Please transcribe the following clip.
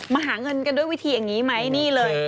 หาเงินกันด้วยวิธีอย่างนี้ไหมนี่เลย